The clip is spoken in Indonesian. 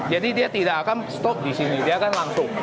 jadi dia tidak akan stop di sini dia akan langsung